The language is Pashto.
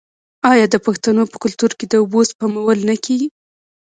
آیا د پښتنو په کلتور کې د اوبو سپمول نه کیږي؟